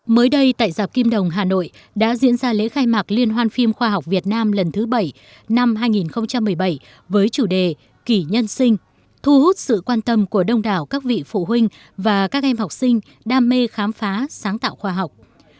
mới đây tại dạp kim đồng hà nội đã diễn ra lễ khai mạc liên hoan phim khoa học việt nam lần thứ bảy năm hai nghìn một mươi bảy với chủ đề kỷ nhân sinh thu hút sự quan tâm của đông đảo các vị phụ huynh và các em học sinh đam mê khám phá sáng tạo khoa học